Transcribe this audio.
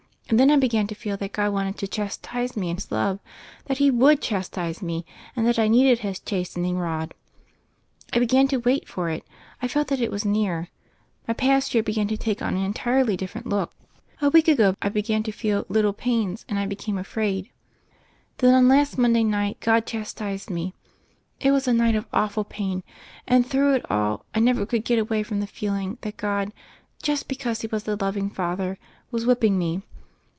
And then I began to feel that God wanted to chastise me in His love, that He would chastise me and that I needed His 'chastening rod.' I began to wait for it: I felt that it was near. My past year began to take on an entirely different look. A week ago I90 THE FAIRY OF THE SNOWS I began to feel little pains, and I became afraid. Then on last Monday night God chastised me. It was a night of* awful pain, and, through it all, I never could get away from the feeling that God, just because He was a loving Father, was whipping me.